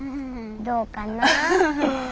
どうかな？